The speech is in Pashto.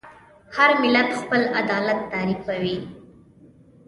هر ملت خپل عدالت تعریفوي.